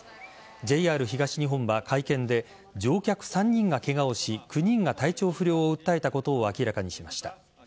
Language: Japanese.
ＪＲ東日本は会見で乗客３人がケガをし９人が体調不良を訴えたことを明らかにしました。